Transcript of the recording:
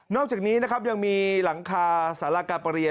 นอกจากนี้ยังมีหลังคาศาลาการประเทีย